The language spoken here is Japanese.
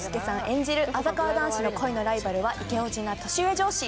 演じるあざかわ男子の恋のライバルはイケおじな年上上司。